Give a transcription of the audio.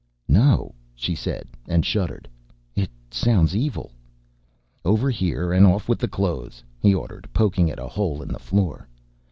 "No," she said, and shuddered. "It sounds evil." "Over here and off with the clothes," he ordered, poking at a hole in the floor.